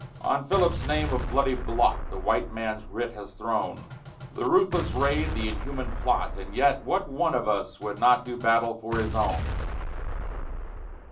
On Philip's name a bloody blot The white man's writ has thrown, The ruthless raid, the inhuman plot; _And yet what one of us would not Do battle for his own!